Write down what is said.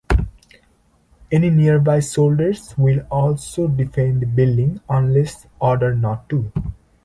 Any nearby soldiers will also defend the building, unless ordered not to.